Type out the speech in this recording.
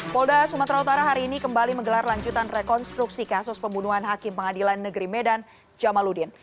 polda sumatera utara hari ini kembali menggelar lanjutan rekonstruksi kasus pembunuhan hakim pengadilan negeri medan jamaludin